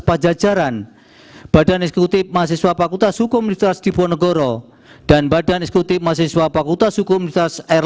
pajajaran badan eksekutif mahasiswa fakultas hukum l utilizar steven